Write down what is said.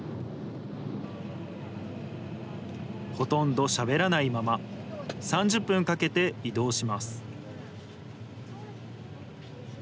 ほとんどしゃべらないまま、３０分かけて移動します。